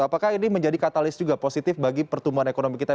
apakah ini menjadi katalis juga positif bagi pertumbuhan ekonomi kita